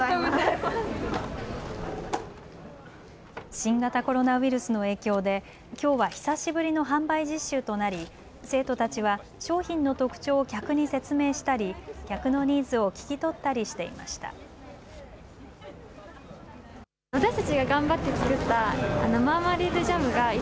新型コロナウイルスの影響できょうは久しぶりの販売実習となり生徒たちは商品の特徴を客に説明したり客のニーズを聞き取ったりしていました。